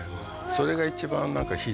それが一番何か。